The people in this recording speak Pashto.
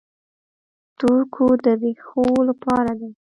تور کود د ریښو لپاره دی.